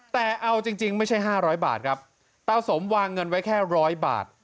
แต่เอาจริงจริงไม่ใช่ห้าร้อยบาทครับตาสมวางเงินไว้แค่ร้อยบาท